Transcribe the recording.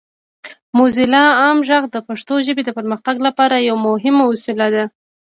موزیلا عام غږ د پښتو ژبې د پرمختګ لپاره یوه مهمه وسیله ده.